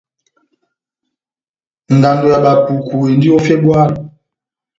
Ngando ya Bapuku endi ó Febuari.